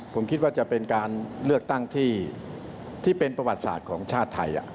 ผมคิดว่าจะเป็นการเลือกตั้งที่เป็นประวัติศาสตร์ของชาติไทย